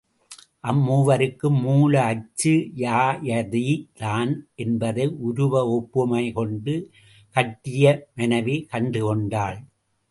அம்மூவருக்கும் மூல அச்சு யயாதி தான் என்பதை உருவ ஒப்புமை கொண்டு கட்டியமனைவி கண்டுகொண்டாள்.